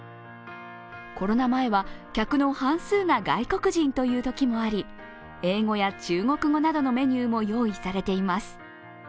コロナ前は、客の半数が外国人というときもあり英語や中国語などのメニューも用意されています。